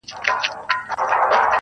• څه ژوند كولو ته مي پريږده كنه .